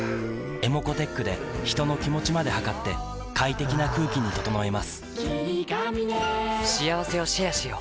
ｅｍｏｃｏーｔｅｃｈで人の気持ちまで測って快適な空気に整えます